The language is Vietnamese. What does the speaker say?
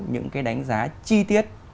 những cái đánh giá chi tiết